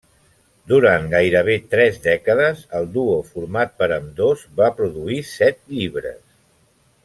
Durant gairebé tres dècades, el duo format per ambdós va produir set llibres.